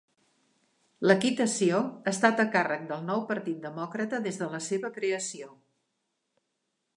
L'equitació ha estat a càrrec del Nou Partit Demòcrata des de la seva creació.